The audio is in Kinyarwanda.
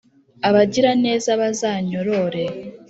abagiraneza bazanyorore